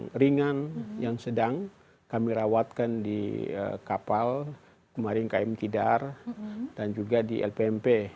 keringan yang sedang kami rawatkan di kapal kemarin km tidar dan juga di lpmp